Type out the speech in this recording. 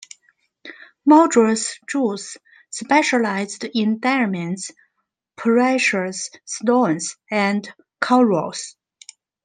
Madras Jews specialised in diamonds, precious stones and corals.